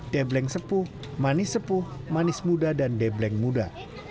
debleng sepuh manis sepuh manis muda dan debleng muda